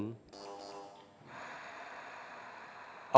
ออกรางวันที่ห้าครั้งที่หกสิบหกเจ็ดสามห้าศูนย์สองศูนย์เจ็ดสามห้าศูนย์สองศูนย์